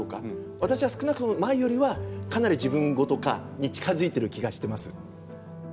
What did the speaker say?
私は少なくとも前よりはかなり自分ごと化に近づいてる気がしてます。